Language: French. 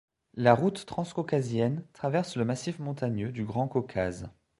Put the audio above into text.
La route transcaucasienne traverse le massif montagneux du Grand Caucase.